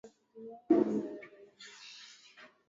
Baada ya mvua nyingi ugonjwa wa mapele ya ngozi hulipuka